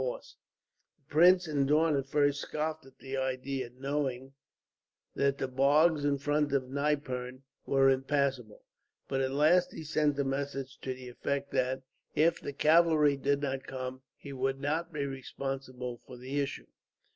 The prince and Daun at first scoffed at the idea, knowing that the bogs in front of Nypern were impassable; but at last he sent a message to the effect that, if the cavalry did not come, he would not be responsible for the issue.